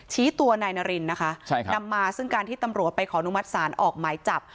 ชี้ตัวนายนารินนะคะใช่ครับนำมาซึ่งการที่ตำรวจไปขอนุมัติศาลออกหมายจับ